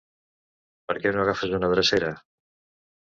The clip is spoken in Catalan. Per què no agafes una drecera?